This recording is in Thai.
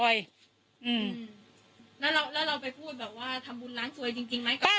แล้วเราแล้วเราไปพูดแบบว่าทำบุญล้างสวยจริงจริงไหม